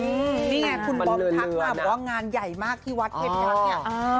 นี่ไงคุณบอมทักมาบอกว่างานใหญ่มากที่วัดเทพยักษ์เนี่ย